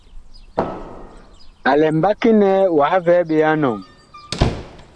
A lɛ mbaki nɛ wah vɛɛ ɓe a enɔŋ ?